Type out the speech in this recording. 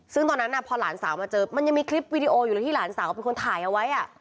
ซึ่งตอนนั้นพอหลานสาวมาเจอมันยังมีคลิปวิดีโออยู่เลยที่หลานสาวเป็นคนถ่ายเอาไว้